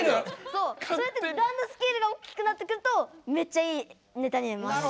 そうそうやってだんだんスケールが大きくなってくるとめっちゃいいネタになります。